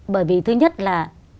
bởi vì thứ nhất là